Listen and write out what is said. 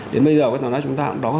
đến bây giờ chúng ta đã có